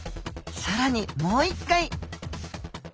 さらにもう一回。